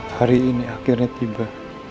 hari ini akhirnya tiba